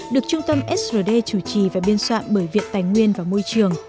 được trung tâm srd chủ trì và biên soạn bởi viện tài nguyên và môi trường